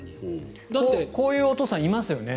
こういうお父さんいますよね。